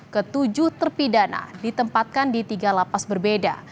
ketujuh terpidana ditempatkan di tiga lapas berbeda